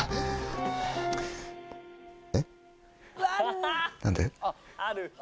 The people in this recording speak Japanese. わっある。